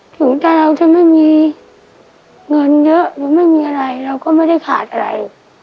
ถึงแต่เราจะไม่มีเงินเยอะหรือไม่มีอะไรเราก็ไม่ได้ขาดอะไร